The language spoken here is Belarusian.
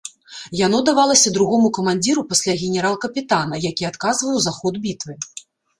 Яно давалася другому камандзіру пасля генерал-капітана, які адказваў за ход бітвы.